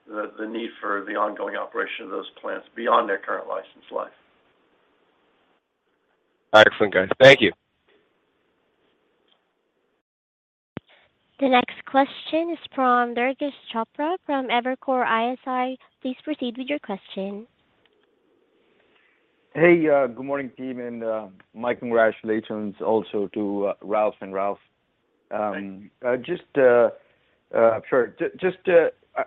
the need for the ongoing operation of those plants beyond their current license life. Excellent, guys. Thank you. The next question is from Durgesh Chopra from Evercore ISI. Please proceed with your question. Hey, good morning, team, and my congratulations also to Ralph and Ralph. Thank you.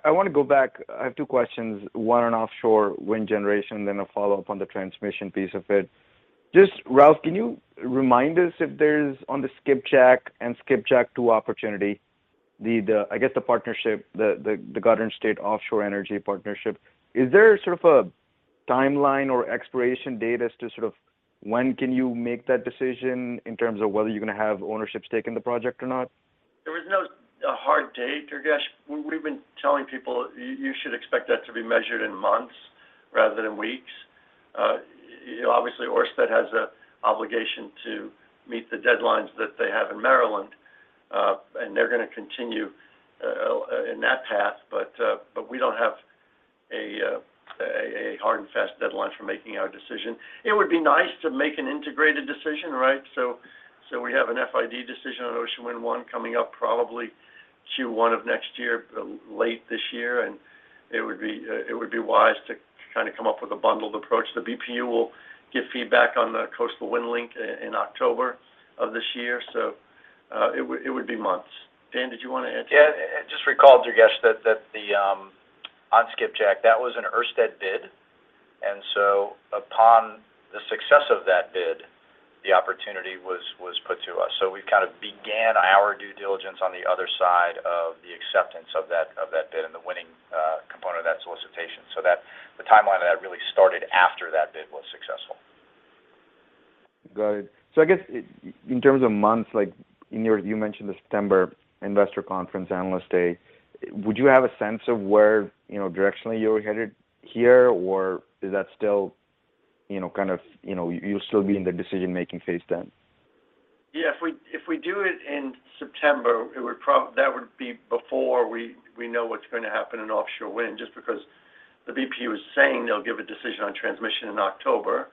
I want to go back. I have two questions, one on offshore wind generation, then a follow-up on the transmission piece of it. Just Ralph, can you remind us if there's on the Skipjack and Skipjack Two opportunity, the Garden State Offshore Energy Partnership. Is there sort of a timeline or expiration date as to sort of when can you make that decision in terms of whether you're going to have ownership stake in the project or not? There is no hard date, Durgesh. We've been telling people you should expect that to be measured in months rather than weeks. You know, obviously, Ørsted has an obligation to meet the deadlines that they have in Maryland, and they're going to continue in that path. We don't have a hard and fast deadline for making our decision. It would be nice to make an integrated decision, right? We have an FID decision on Ocean Wind 1 coming up probably Q1 of next year, late this year, and it would be wise to kind of come up with a bundled approach. The BPU will give feedback on the Coastal Wind Link in October of this year. It would be months. Dan, did you want to add to that? Yeah. Just recall, Durgesh, that the on Skipjack, that was an Ørsted bid. Upon the success of that bid, the opportunity was put to us. We've kind of began our due diligence on the other side of the acceptance of that of that bid and the winning component of that solicitation. That the timeline of that really started after that bid was successful. Got it. I guess in terms of months, like you mentioned the September investor conference analyst day, would you have a sense of where, you know, directionally you're headed here, or is that still, you know, kind of, you know, you'll still be in the decision-making phase then? Yeah, if we do it in September, that would be before we know what's going to happen in offshore wind, just because the BPU is saying they'll give a decision on transmission in October.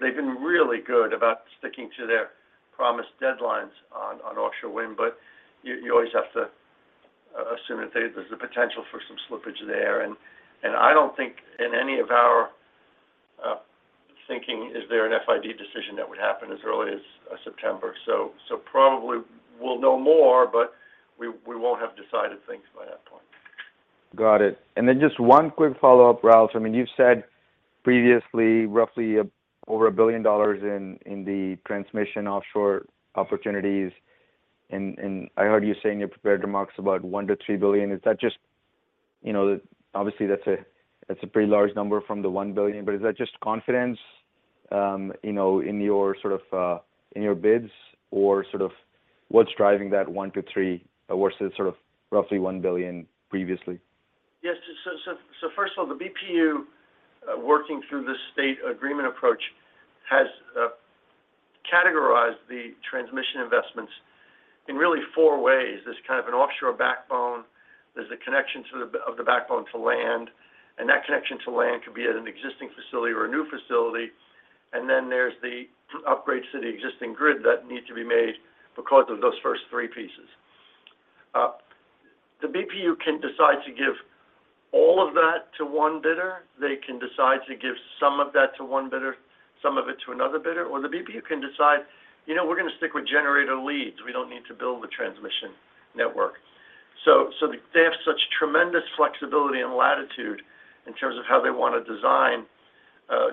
They've been really good about sticking to their promised deadlines on offshore wind. You always have to assume that there's the potential for some slippage there. I don't think in any of our thinking is there an FID decision that would happen as early as September. Probably we'll know more, but we won't have decided things by that point. Got it. Just one quick follow-up, Ralph. I mean, you've said previously roughly over $1 billion in the offshore transmission opportunities, and I heard you say in your prepared remarks about $1-$3 billion. Is that just, you know. Obviously, that's a pretty large number from the $1 billion, but is that just confidence, you know, in your sort of, in your bids? Or sort of what's driving that $1-$3 versus sort of roughly $1 billion previously? Yes. First of all, the BPU, working through the State Agreement Approach has categorized the transmission investments in really four ways. There's kind of an offshore backbone, there's a connection of the backbone to land, and that connection to land could be at an existing facility or a new facility. There's the upgrades to the existing grid that need to be made because of those first three pieces. The BPU can decide to give all of that to one bidder. They can decide to give some of that to one bidder, some of it to another bidder. Or the BPU can decide, "You know, we're going to stick with generator leads. We don't need to build the transmission network. They have such tremendous flexibility and latitude in terms of how they want to design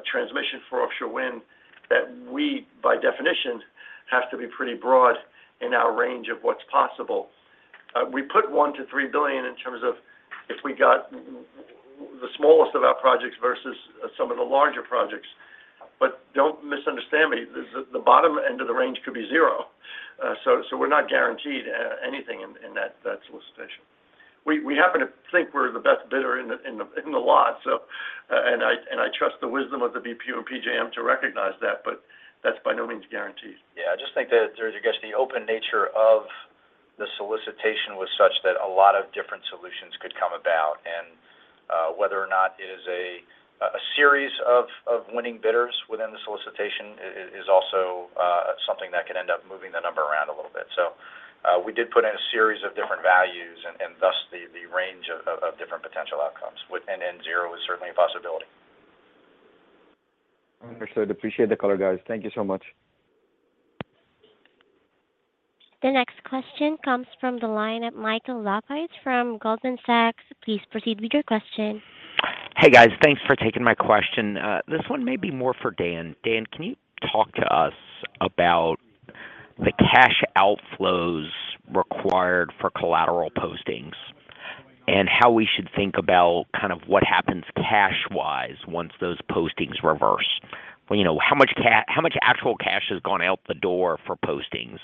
transmission for offshore wind that we, by definition, have to be pretty broad in our range of what's possible. We put $1 billion-$3 billion in terms of if we got the smallest of our projects versus some of the larger projects. Don't misunderstand me. The bottom end of the range could be zero. We're not guaranteed anything in that solicitation. We happen to think we're the best bidder in the lot, and I trust the wisdom of the BPU and PJM to recognize that, but that's by no means guaranteed. Yeah. I just think that there's, I guess, the open nature of the solicitation was such that a lot of different solutions could come about. Whether or not it is a series of winning bidders within the solicitation is also something that could end up moving the number around a little bit. We did put in a series of different values and thus the range of different potential outcomes. Zero is certainly a possibility. Understood. Appreciate the color, guys. Thank you so much. The next question comes from the line of Michael Lapides from Goldman Sachs. Please proceed with your question. Hey, guys. Thanks for taking my question. This one may be more for Dan. Dan, can you talk to us about the cash outflows required for collateral postings and how we should think about kind of what happens cash-wise once those postings reverse? You know, how much actual cash has gone out the door for postings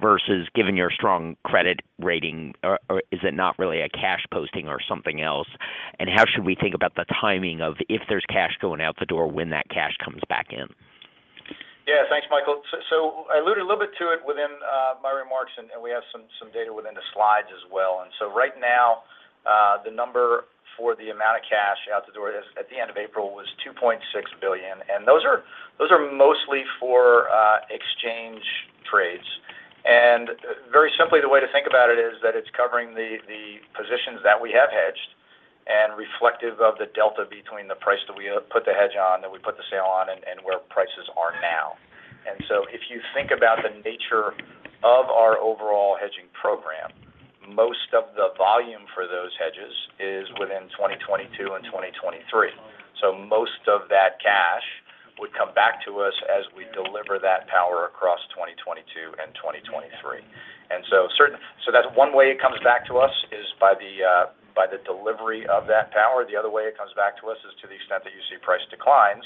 versus given your strong credit rating, or is it not really a cash posting or something else? How should we think about the timing of if there's cash going out the door, when that cash comes back in? Yeah. Thanks, Michael. I alluded a little bit to it within my remarks, and we have some data within the slides as well. Right now, the number for the amount of cash out the door as at the end of April was $2.6 billion. Those are mostly for exchange trades. Very simply, the way to think about it is that it's covering the positions that we have hedged and reflective of the delta between the price that we put the hedge on, that we put the sale on and where prices are now. If you think about the nature of our overall hedging program, most of the volume for those hedges is within 2022 and 2023. Most of that cash would come back to us as we deliver that power across 2022 and 2023. That's one way it comes back to us is by the delivery of that power. The other way it comes back to us is to the extent that you see price declines.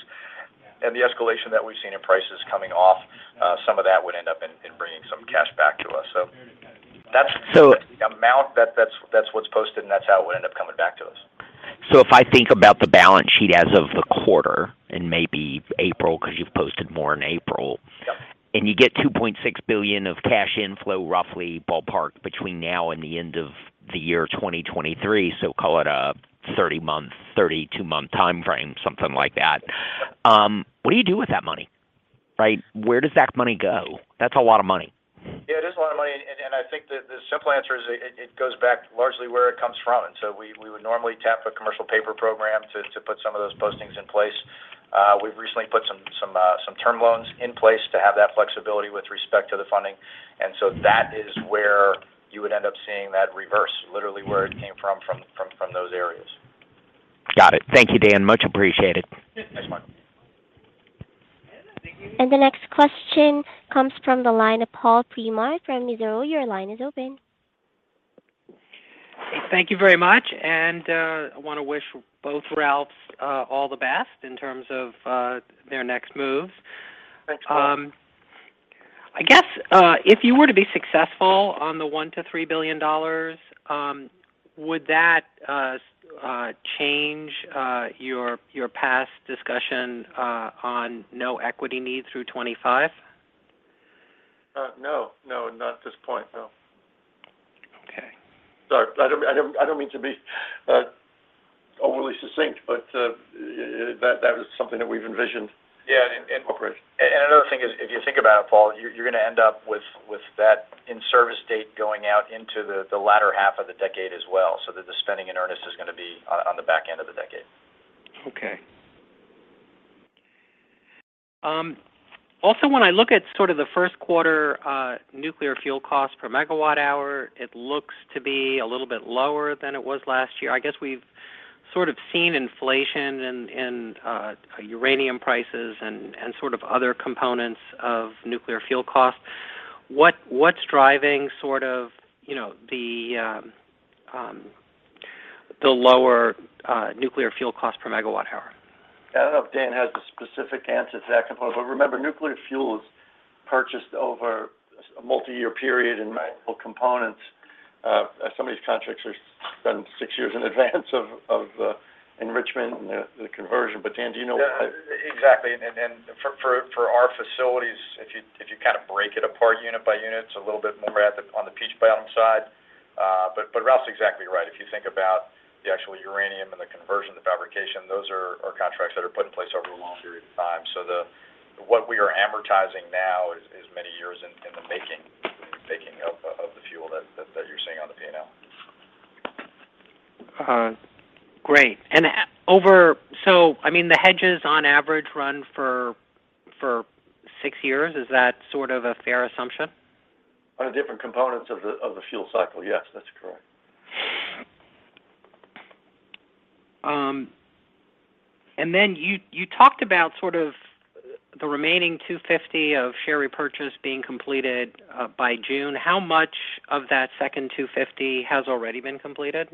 The escalation that we've seen in prices coming off, some of that would end up in bringing some cash back to us. So- The amount that's what's posted, and that's how it would end up coming back to us. If I think about the balance sheet as of the quarter, and maybe April, because you've posted more in April. Yep. you get $2.6 billion of cash inflow roughly ballpark between now and the end of the year 2023, so call it a 30-month, 32-month timeframe, something like that, what do you do with that money, right? Where does that money go? That's a lot of money. Yeah, it is a lot of money. I think that the simple answer is it goes back largely where it comes from. We would normally tap a commercial paper program to put some of those postings in place. We've recently put some term loans in place to have that flexibility with respect to the funding. That is where you would end up seeing that reverse, literally where it came from those areas. Got it. Thank you, Dan. Much appreciated. Thanks, Michael. The next question comes from the line of Paul Fremont from Mizuho. Your line is open. Thank you very much. I wanna wish both Ralphs all the best in terms of their next moves. Thanks, Paul. I guess, if you were to be successful on the $1-$3 billion, would that change your past discussion on no equity needs through 2025? No. No, not at this point, no. Okay. Sorry, I don't mean to be overly succinct, but that is something that we've envisioned. Yeah. Correct. Another thing is if you think about it, Paul, you're gonna end up with that in service date going out into the latter half of the decade as well, so that the spending in earnest is gonna be on the back end of the decade. Okay. Also, when I look at sort of the first quarter nuclear fuel costs per megawatt hour, it looks to be a little bit lower than it was last year. I guess we've sort of seen inflation in uranium prices and sort of other components of nuclear fuel costs. What's driving sort of you know the lower nuclear fuel cost per megawatt hour? I don't know if Dan has a specific answer to that component, but remember, nuclear fuel is purchased over a multi-year period in multiple components. Some of these contracts are done six years in advance of enrichment and the conversion. Dan, do you know? Yeah. Exactly. Then for our facilities, if you kind of break it apart unit by unit, it's a little bit more on the Peach Bottom side. Ralph's exactly right. If you think about the actual uranium and the conversion, the fabrication, those are contracts that are put in place over a long period of time. What we are amortizing now is many years in the making of the fuel that you're seeing on the P&L. Great. I mean, the hedges on average run for six years. Is that sort of a fair assumption? On the different components of the fuel cycle, yes, that's correct. You talked about sort of the remaining $250 of share repurchase being completed by June. How much of that second $250 has already been completed?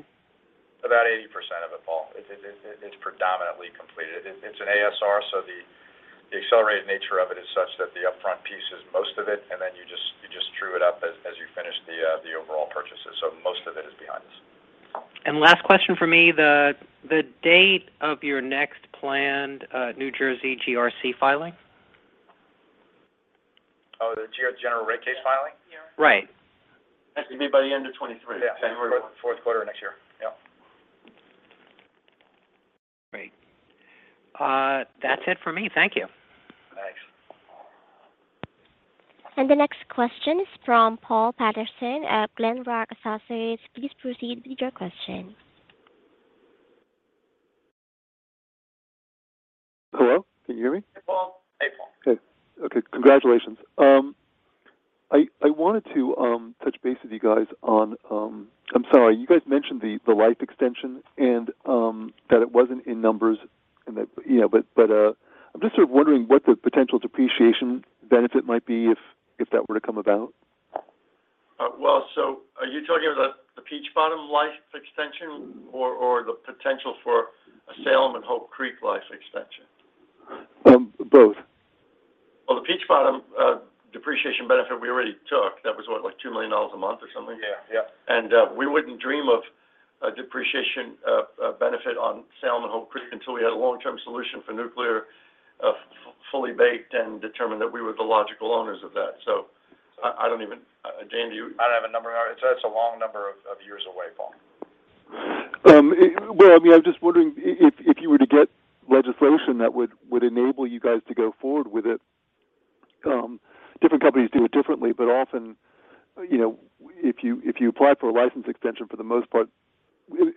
About 80% of it, Paul. It's predominantly completed. It's an ASR, so the accelerated nature of it is such that the upfront piece is most of it and then you just true it up as you finish the overall purchases. Most of it is behind us. Last question from me. The date of your next planned New Jersey GRC filing? Oh, the general rate case filing? Right. Has to be by the end of 2023. Yeah. January 1. Fourth quarter next year. Yep. Great. That's it for me. Thank you. Thanks. The next question is from Paul Patterson at Glenrock Associates. Please proceed with your question. Hello, can you hear me? Hey, Paul. Hey, Paul. Okay. Congratulations. I wanted to touch base with you guys. I'm sorry. You guys mentioned the life extension and that it wasn't in numbers and that, you know, but I'm just sort of wondering what the potential depreciation benefit might be if that were to come about. Are you talking about the Peach Bottom life extension or the potential for a Salem and Hope Creek life extension? Both. Well, the Peach Bottom depreciation benefit we already took. That was what? Like $2 million a month or something. Yeah. Yeah. We wouldn't dream of a depreciation benefit on Salem and Hope Creek until we had a long-term solution for nuclear, fully baked and determined that we were the logical owners of that. I don't even. Dan, do you- I don't have a number. It's a long number of years away, Paul. Well, I mean, I'm just wondering if you were to get legislation that would enable you guys to go forward with it, different companies do it differently, but often, you know, if you apply for a license extension for the most part,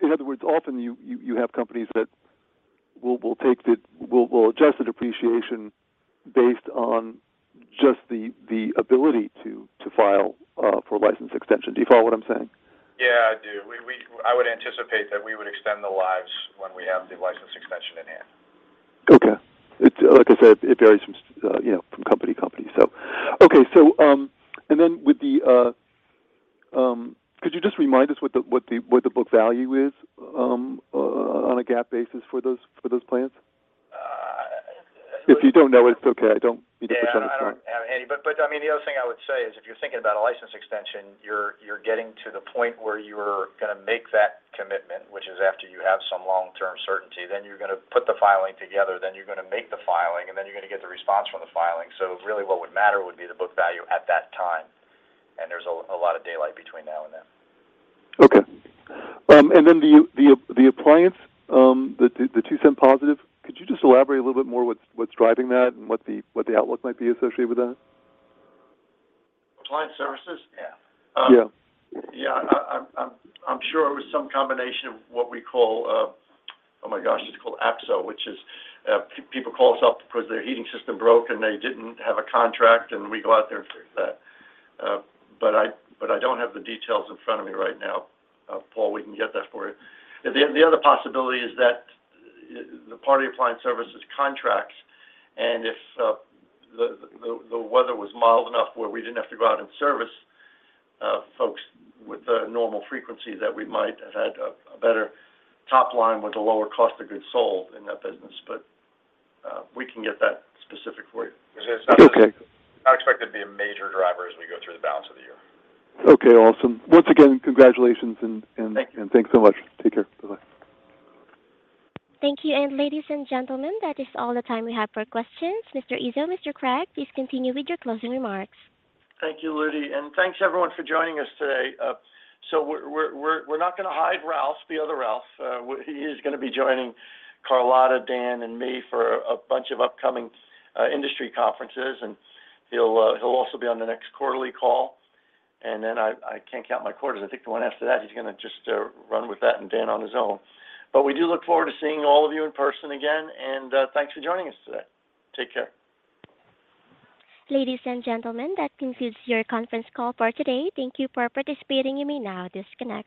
in other words, often you have companies that will adjust the depreciation based on just the ability to file for license extension. Do you follow what I'm saying? Yeah, I do. I would anticipate that we would extend the lives when we have the license extension in hand. Okay. It's like I said, it varies from you know, from company to company. And then could you just remind us what the book value is on a GAAP basis for those plants? Uh- If you don't know, it's okay. I don't need a percentage point. Yeah. I don't have any. I mean, the other thing I would say is if you're thinking about a license extension, you're getting to the point where you're gonna make that commitment, which is after you have some long-term certainty, then you're gonna put the filing together, then you're gonna make the filing, and then you're gonna get the response from the filing. Really what would matter would be the book value at that time. There's a lot of daylight between now and then. Okay. The $0.02 positive, could you just elaborate a little bit more what's driving that and what the outlook might be associated with that? Appliance services? Yeah. Yeah. Yeah. I'm sure it was some combination of what we call, oh my gosh, it's called APSO, which is, people call us up because their heating system broke and they didn't have a contract, and we go out there and fix that. I don't have the details in front of me right now. Paul, we can get that for you. The other possibility is that the PSE&G appliance services contracts, and if the weather was mild enough where we didn't have to go out and service folks with the normal frequency that we might have had a better top line with a lower cost of goods sold in that business. We can get that specific for you. Okay. I don't expect it to be a major driver as we go through the balance of the year. Okay. Awesome. Once again, congratulations and. Thank you. Thanks so much. Take care. Bye-bye. Thank you. Ladies and gentlemen, that is all the time we have for questions. Mr. Izzo, Mr. Cregg, please continue with your closing remarks. Thank you, Ludy. Thanks everyone for joining us today. We're not gonna hide Ralph, the other Ralph. He is gonna be joining Carlotta, Dan, and me for a bunch of upcoming industry conferences, and he'll also be on the next quarterly call. I can't count my quarters. I think the one after that, he's gonna just run with that and Dan on his own. We do look forward to seeing all of you in person again, and thanks for joining us today. Take care. Ladies and gentlemen, that concludes your conference call for today. Thank you for participating. You may now disconnect.